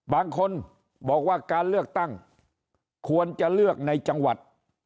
บางคนบอกว่าการเลือกตั้งควรจะเลือกในจังหวัด